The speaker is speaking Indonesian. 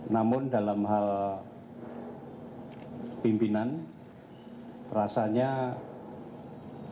namun dalam hal pimpinan rasanya